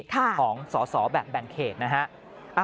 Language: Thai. ของสอสอแบบแบ่งเขตนะฮะ